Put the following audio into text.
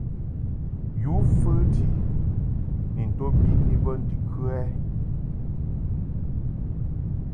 Yǔ fəti ni nto biʼni bə ndikə ɛ ?